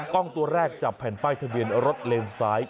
กล้องตัวแรกจับแผ่นป้ายทะเบียนรถเลนซ้าย